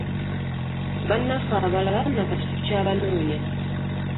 Bannaffe abalala na kati tukyabanoonya.